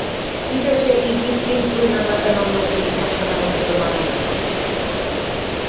Тидӹжӹ Изи принц вуйнаматан ылмыжы гишӓн шаналтыжы манын.